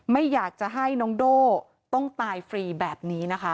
ไม่อยากจะให้น้องโด่ต้องตายฟรีแบบนี้นะคะ